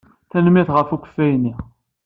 Tanemmirt ɣef ukeffay-nni.